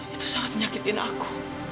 itu sangat menyakitkan aku